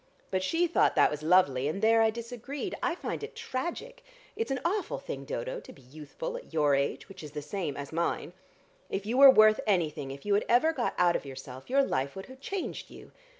But she thought that was lovely, and there I disagreed. I find it tragic. It's an awful thing, Dodo, to be youthful at your age, which is the same as mine. If you were worth anything, if you had ever got out of yourself, your life would have changed you.